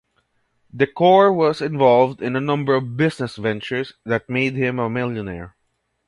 Decore was involved in a number of business ventures that made him a millionaire.